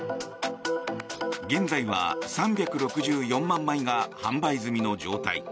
現在は３６４万枚が販売済みの状態。